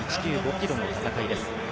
ｋｍの戦いです。